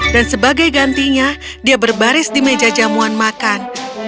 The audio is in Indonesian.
dan sebagai gantinya dia berbaris di meja jamuan makan